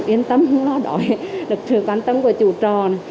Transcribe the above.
yên tâm lo đổi được trưởng quan tâm của chủ trò này